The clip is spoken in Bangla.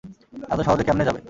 এত সহজে কেমনে যাবে।